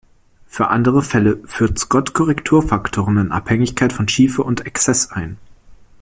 Für andere Fälle führte Scott Korrekturfaktoren in Abhängigkeit von Schiefe und Exzess ein.